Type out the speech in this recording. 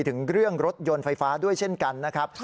ถึงเรื่องรถยนต์ไฟฟ้าด้วยเช่นกันนะครับ